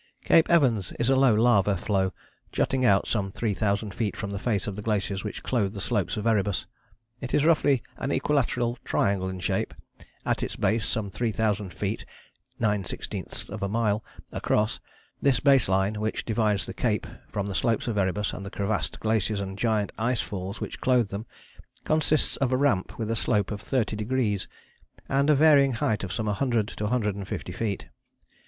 Cape Evans is a low lava flow jutting out some three thousand feet from the face of the glaciers which clothe the slopes of Erebus. It is roughly an equilateral triangle in shape, at its base some three thousand feet (9/16th mile) across. This base line, which divides the cape from the slopes of Erebus and the crevassed glaciers and giant ice falls which clothe them, consists of a ramp with a slope of thirty degrees, and a varying height of some 100 to 150 feet.